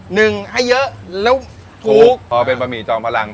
หนึ่งให้เยอะแล้วถูกถูกเพราะเป็นปะหมี่จองพลัง